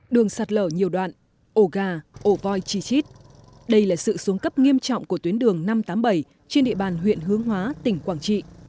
đường sạt lở nhiều đoạn ổ gà ổ voi chi chít đây là sự xuống cấp nghiêm trọng của tuyến đường năm trăm tám mươi bảy trên địa bàn huyện hướng hóa tỉnh quảng trị